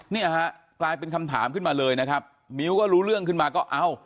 เนี่ยฮะกลายเป็นคำถามขึ้นมาเลยนะครับมิ้วก็รู้เรื่องขึ้นมาก็เอ้า